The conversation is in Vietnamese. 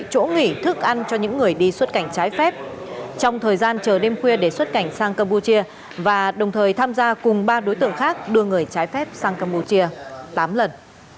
chỗ nghỉ thức ăn cho những người đi xuất cảnh trái phép trong thời gian chờ đêm khuya để xuất cảnh sang campuchia và đồng thời tham gia cùng ba đối tượng khác đưa người trái phép sang campuchia tám lần